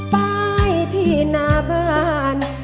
ไปที่หน้าบ้าน